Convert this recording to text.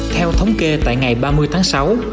theo thống kê tại ngày ba mươi tháng sáu